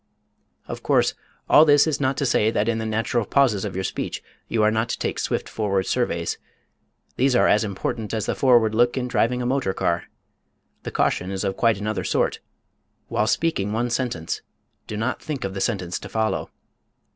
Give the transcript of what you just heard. Of course, all this is not to say that in the natural pauses of your speech you are not to take swift forward surveys they are as important as the forward look in driving a motor car; the caution is of quite another sort: while speaking one sentence do not think of the sentence to follow.